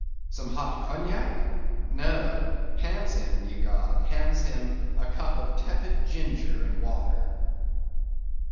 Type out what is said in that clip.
Some hot Cognac? No! hands him, ye gods! hands him a cup of tepid ginger and water!